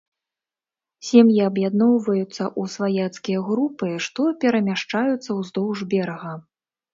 Сем'і аб'ядноўваюцца ў сваяцкія групы, што перамяшчаюцца ўздоўж берага.